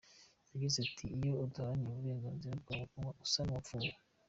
Yagize ati" Iyo udaharanira uburenganzira bwawe uba usa nuwapfuye.